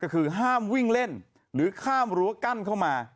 ก็คือห้ามวิ่งเล่นหรือข้ามรั้วกั้นเข้ามา